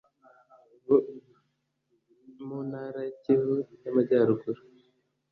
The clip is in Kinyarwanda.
bo mu Ntara Kivu y'Amajyaruguru.